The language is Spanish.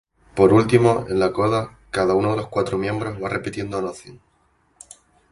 Por último, en la coda, cada uno de los cuatro miembros va repitiendo Nothing.